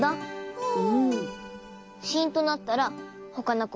うん。